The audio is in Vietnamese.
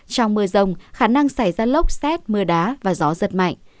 trong mưa rồng khả năng xảy ra lốc xét mưa đá và gió rất mạnh